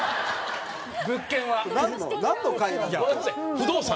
不動産。